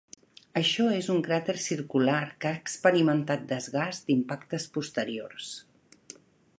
Això és un cràter circular que ha experimentat desgast d'impactes posteriors.